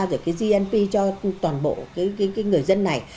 rồi cái gnp cho toàn bộ cái người dân này